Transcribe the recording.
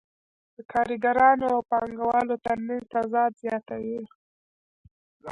دا د کارګرانو او پانګوالو ترمنځ تضاد زیاتوي